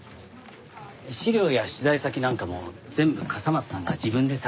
資料や取材先なんかも全部笠松さんが自分で探してくれて。